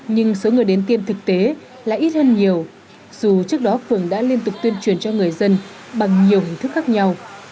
nhưng số người đến tiêm thực tế lại ít hơn nhiều dù trước đó phường đã liên tục tuyên truyền cho người dân bằng nhiều hình thức khác nhau